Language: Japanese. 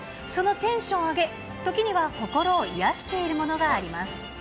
そのテンションを上げ、時には心を癒しているものがあります。